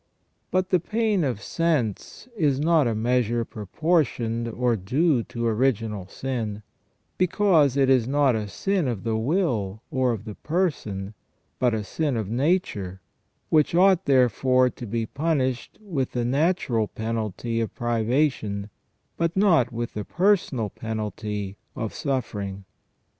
But the pain of sense is not a measure pro portioned or due to original sin, because it is not a sin of the will or of the person, but a sin of nature, which ought, therefore, to be punished with the natural penalty of privation, but not with the personal penalty of suffering.